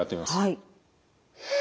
はい。